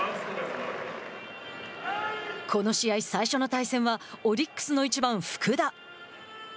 この試合、最初の対戦はオリックスの１番福田。